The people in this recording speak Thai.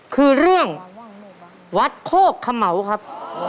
คือเรื่องวัดโคกเขม่าครับ